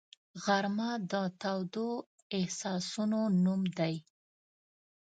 غرمه د تودو احساسونو نوم دی